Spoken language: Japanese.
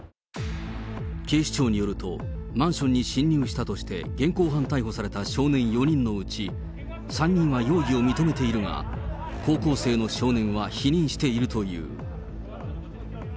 警視庁によると、マンションに侵入したとして現行犯逮捕された少年４人のうち、３人は容疑を認めているが、高校生の少年は否認しているという。